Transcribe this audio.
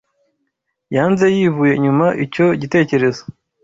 Yanze yivuye inyuma icyo gitekerezo.